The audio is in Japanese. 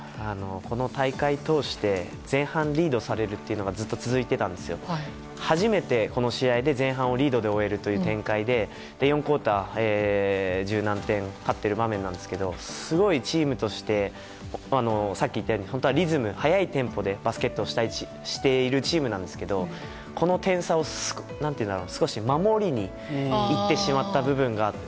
この大会通して前半、リードされるっていうのがずっと続いていたんですけど初めてこの試合をリードで終えるという展開で４クオーター、十何点勝っている場面なんですけれどすごい、チームとしてさっき言ったように本当は速いテンポでバスケットをしているチームなんですけどこの点差を、少し守りにいってしまった部分があって。